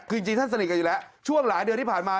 คือจริงท่านสนิทกันอยู่แล้วช่วงหลายเดือนที่ผ่านมา